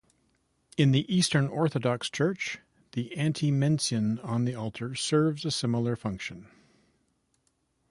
In the Eastern Orthodox Church, the antimension on the altar serves a similar function.